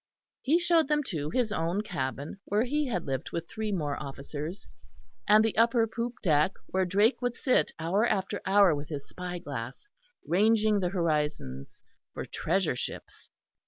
He showed them too his own cabin, where he had lived with three more officers, and the upper poop deck where Drake would sit hour after hour with his spy glass, ranging the horizons for treasure ships.